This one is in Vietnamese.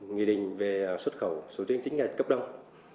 nghị định về xuất khẩu sầu riêng chính ngành cấp đông